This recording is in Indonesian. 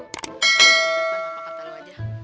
harapan apa kata lo aja